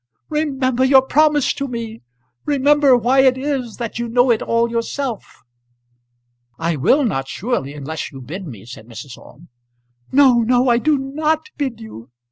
Remember your promise to me. Remember why it is that you know it all yourself." "I will not, surely, unless you bid me," said Mrs. Orme. "No, no; I do not bid you.